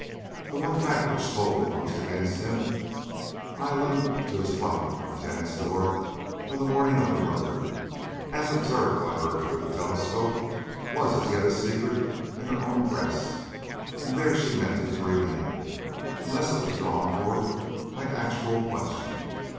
The one fact which told the most against him I allude to his flight from his aunt's door on the morning of the murder, as observed by her through the telescope was as yet a secret in her own breast, and there she meant it to remain unless it was drawn forth by actual question.